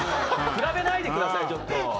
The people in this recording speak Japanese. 比べないでください、ちょっと。